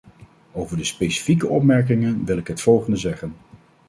Over de specifieke opmerkingen wil ik het volgende zeggen.